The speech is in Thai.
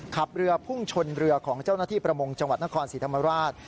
ขับเรือพุ่งชนเรือของเจ้าหน้าที่ประมงจังหวัดนครศรีธรรมราช